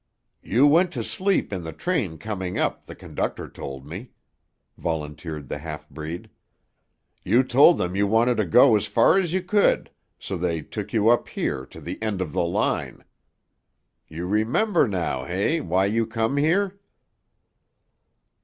"You went to sleep in the train coming up, the conductor told me," volunteered the half breed. "You told them you wanted to go as far as you could, so they took you up here to the end of the line. You remember now, eh, why you come here?"